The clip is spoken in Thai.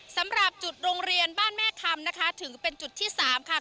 สำหรับจุดโรงเรียนบ้านแม่คำนะคะถือเป็นจุดที่๓ค่ะ